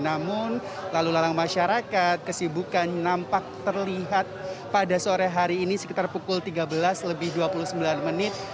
namun lalu lalang masyarakat kesibukan nampak terlihat pada sore hari ini sekitar pukul tiga belas lebih dua puluh sembilan menit